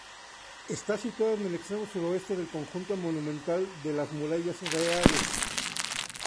Está situado en el extremo suroeste del Conjunto Monumental de las Murallas Reales.